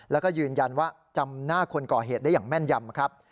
แล้วก็ยืนยันว่าจำหน้าคนก่อเหตุได้อย่างแม่นยำครับ